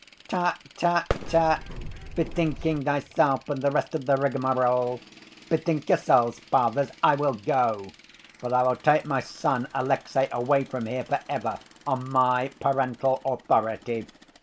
"Tut, tut, tut! Bethinking thyself and the rest of the rigmarole. Bethink yourselves, Fathers, I will go. But I will take my son, Alexey, away from here for ever, on my parental authority.